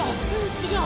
違う！